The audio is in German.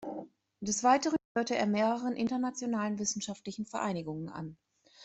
Des Weiteren gehörte er mehreren internationalen wissenschaftlichen Vereinigungen an.